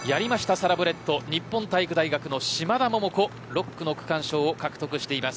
サラブレッド日本体育大学の嶋田桃子６区の区間賞を獲得しています。